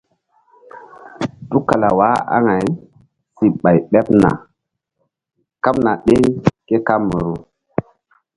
Tukala waah aŋay si ɓay ɓeɓ na kaɓna ɗeŋ ke kamaru.